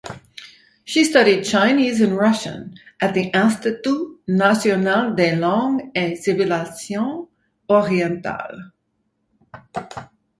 She studied Chinese and Russian at the Institut national des langues et civilisations orientales.